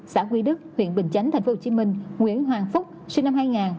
xã quy đức huyện bình chánh tp hcm nguyễn hoàng phúc sinh năm hai nghìn